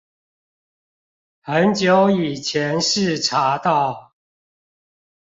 很久以前是查到